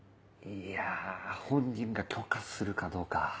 いや本人が許可するかどうか。